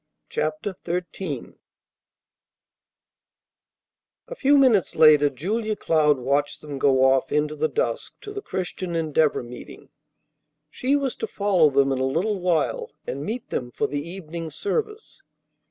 CHAPTER XIII A few minutes later Julia Cloud watched them go off into the dusk to the Christian Endeavor meeting. She was to follow them in a little while and meet them for the evening service.